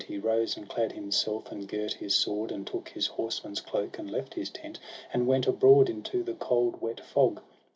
He rose, and clad himself, and girt his sword, And took his horseman's cloak, and left his tent, And went abroad into the cold wet fog.